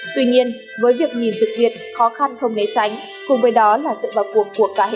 tuy nhiên với việc nhìn dịch việt khó khăn không nghe tránh